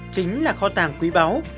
chính là kho tàng quý báu